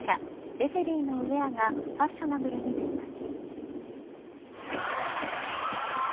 レフェリーのウエアがファッショナブルになります。